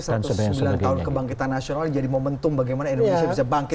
satu ratus sembilan tahun kebangkitan nasional jadi momentum bagaimana indonesia bisa bangkit